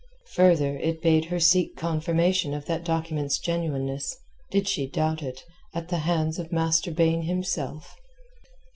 Further, it bade her seek confirmation of that document's genuineness, did she doubt it, at the hands of Master Baine himself.